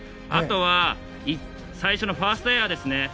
あとは、最初のファーストエアですね。